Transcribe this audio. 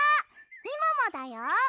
みももだよ！